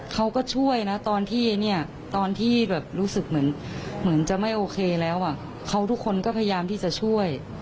เขาก็ช่วยนะตอนที่รู้สึกเหมือนจะไม่โอเคแล้วเขาทุกคนก็พยายามที่จะช่วย